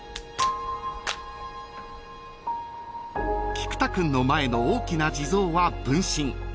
［菊田君の前の大きな地蔵は分身］